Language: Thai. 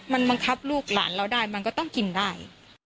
มันบังคับลูกหลานเราได้มันก็ต้องกินได้